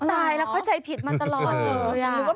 ตายแล้วความใจผิดมาตลอด